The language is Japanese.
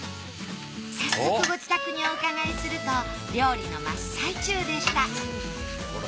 早速ご自宅にお伺いすると料理の真っ最中でした。